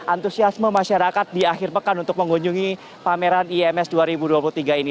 antusiasme masyarakat di akhir pekan untuk mengunjungi pameran ims dua ribu dua puluh tiga ini